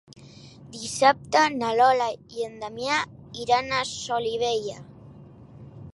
Dissabte na Lola i en Damià iran a Solivella.